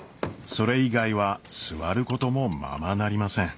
それ以外は座ることもままなりません。